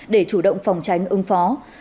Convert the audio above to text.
để chủ động phòng tránh ưng phó